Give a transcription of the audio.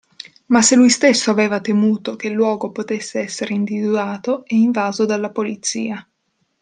Ma se lui stesso aveva temuto che il luogo potesse essere individuato e invaso dalla Polizia.